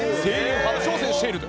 初挑戦してると。